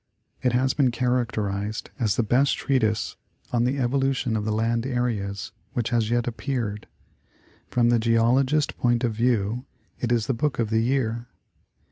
It has been characterized as the best treatise on the evo lution of the land areas which has yet appeared ; from the Geologist point of view it is the book of the year.